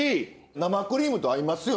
生クリームと合いますよね。